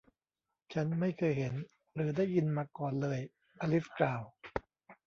ฉันไม่เคยเห็น หรือได้ยินมาก่อนเลย อลิซกล่าว